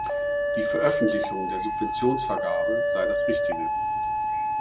Die Veröffentlichung der Subventionsvergabe sei das Richtige.